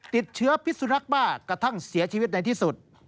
ติดเชื้อพิสุนักบ้ากระทั่งเสียชีวิตในที่สุด